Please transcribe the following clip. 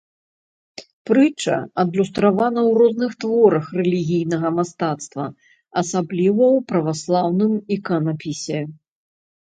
Прытча адлюстравана ў розных творах рэлігійнага мастацтва, асабліва ў праваслаўным іканапісе.